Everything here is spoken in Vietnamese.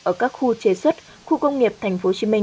ở các khu chế xuất khu công nghiệp tp hcm